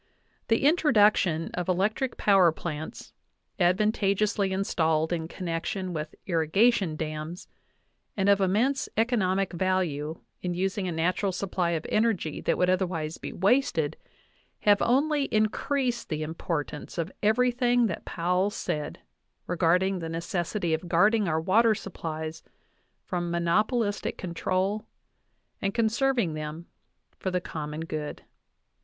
The introduction of electric power plants, advantageously installed in connection with irri gation dams, and of immense economic value in using a natu ral supply of energy that would otherwise be wasted, have only increased the importance of everything that Powell said re garding the necessity of guarding our water supplies from monopolistic control and conserving them for the common good.